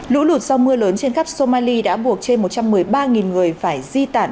lũ lụt do mưa lớn trên khắp somali đã buộc trên một trăm một mươi ba người phải di tản